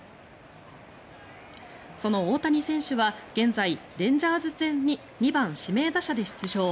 その大谷選手は現在、レンジャーズ戦に２番指名打者で出場。